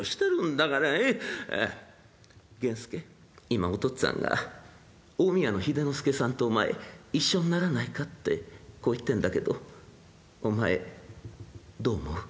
今お父っつぁんが近江屋の秀之助さんとお前一緒にならないかってこう言ってんだけどお前どう思う？